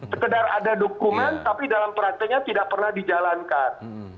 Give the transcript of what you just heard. sekedar ada dokumen tapi dalam prakteknya tidak pernah dijalankan